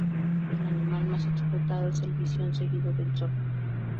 El animal más explotado es el visón, seguido del zorro.